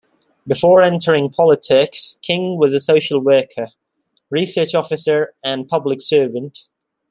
Before entering politics, King was a social worker, research officer and public servant.